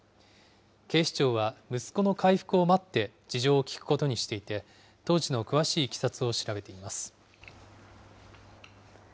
警視庁は息子の回復を待って、事情を聴くことにしていて、当時の詳しいいきさつを調べています。